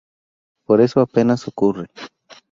Pero eso apenas ocurre.